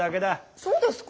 そうですか？